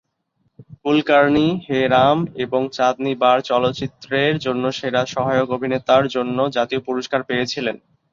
কুলকার্নি "হে রাম" এবং "চাঁদনী বার" চলচ্চিত্রের জন্য সেরা সহায়ক অভিনেতার জন্য জাতীয় পুরস্কার 'পেয়েছিলেন।